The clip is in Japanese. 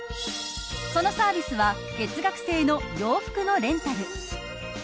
そのサービスは月額制の洋服のレンタル。